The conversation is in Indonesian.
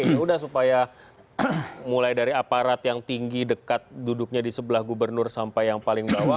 ya udah supaya mulai dari aparat yang tinggi dekat duduknya di sebelah gubernur sampai yang paling bawah